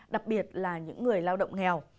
đặc biệt là những người lao động nghèo